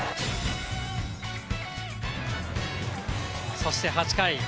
そして８回。